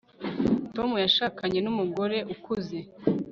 tom yashakanye n'umugore ukuze